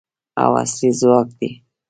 او اصلي ځواک دی.